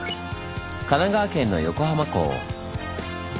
神奈川県の横浜港。